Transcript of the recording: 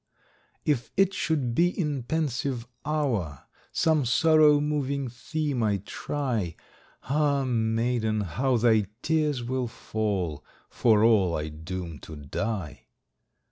If it should be in pensive hour Some sorrow moving theme I try, Ah, maiden, how thy tears will fall, For all I doom to die!